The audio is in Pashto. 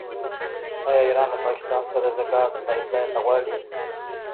آیا ایران له پاکستان سره د ګاز پایپ لاین نه غواړي؟